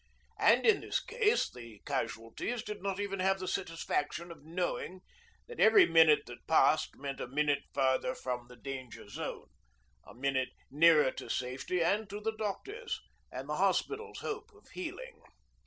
And in this case the casualties did not even have the satisfaction of knowing that every minute that passed meant a minute farther from the danger zone, a minute nearer to safety and to the doctors, and the hospitals' hope of healing.